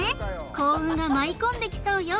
幸運が舞い込んできそうよ